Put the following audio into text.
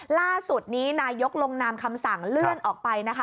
ล่าสุดนี้นายกลงนามคำสั่งเลื่อนออกไปนะคะ